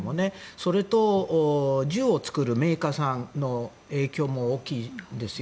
それと、銃を作るメーカーさんの影響も大きいですよ。